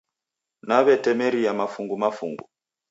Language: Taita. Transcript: Naw'etemeria mafungu mafungu